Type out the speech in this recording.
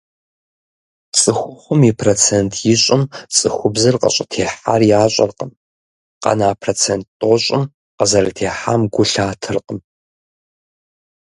Цӏыхухъум и процент ищӏым цӏыхубзыр къыщӏытехьар ящӏэркъым, къэна процент тӏощӏым къызэрытехьам гу лъатэркъым.